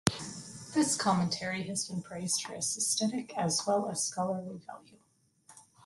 This commentary has been praised for its aesthetic as well as scholarly value.